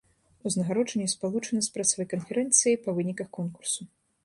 Узнагароджанне спалучана з прэсавай канферэнцыяй па выніках конкурсу.